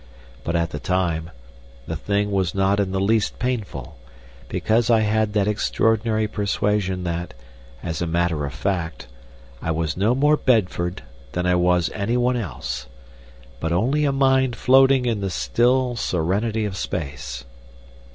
But at the time the thing was not in the least painful, because I had that extraordinary persuasion that, as a matter of fact, I was no more Bedford than I was any one else, but only a mind floating in the still serenity of space.